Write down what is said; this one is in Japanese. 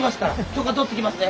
許可取ってきますね